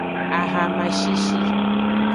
Ahama shishi.